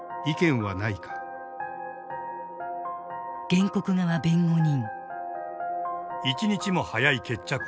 原告側弁護人。